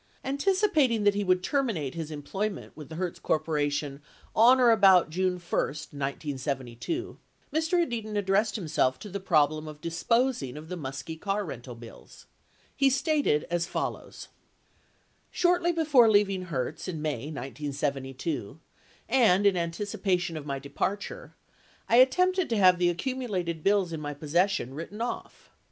Anticipating that he would terminate his employment with the Hertz Corp. on or about June 1, 1972, Mr. Edidin addressed himself to the problem of disposing of the Muskie car rental bills. He stated as follows: Shortly before leaving Hertz in May 1972 and in antici pation of my departure, I attempted to have the accumulated bills in my possession written off.